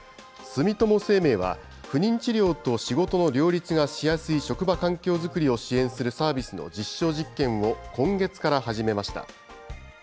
住友生命は、不妊治療と仕事の両立がしやすい職場環境作りを支援するサービスの実証実験を今月から始めました。